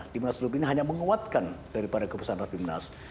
di munaslu ini hanya menguatkan daripada kebesaran rafi minas